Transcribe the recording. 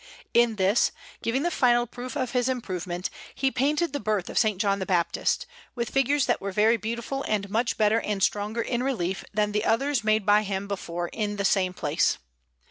In this, giving the final proof of his improvement, he painted the Birth of S. John the Baptist, with figures that were very beautiful and much better and stronger in relief than the others made by him before in the same place.